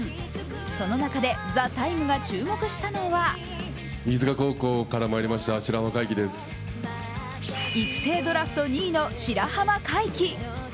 その中で「ＴＨＥＴＩＭＥ，」が注目したのは育成ドラフト２位の白濱快起。